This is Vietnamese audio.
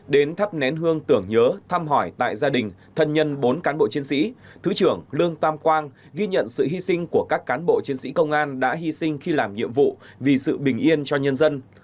đến thắp nén hương tưởng nhớ thăm hỏi tại gia đình thân nhân bốn cán bộ chiến sĩ thứ trưởng lương tam quang ghi nhận sự hy sinh của các cán bộ chiến sĩ công an đã hy sinh khi làm nhiệm vụ vì sự bình yên cho nhân dân